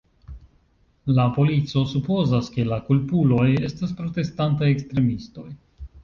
La polico supozas, ke la kulpuloj estas protestantaj ekstremistoj.